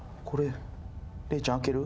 礼ちゃん開ける？